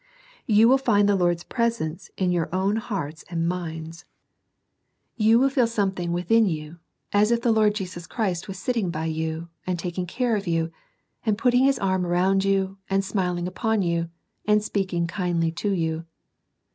You will find the Lords presence in your own Aisar^s and minds. You m\\ fed ^om^\3QMa<^ SEEKING THE LORD EARLY. 1 27 within you, as if the Lord Jesus Christ was sitting by you, and taking care of you, and put ting His arm round you, and smiling upon you, and speaking kindly to you.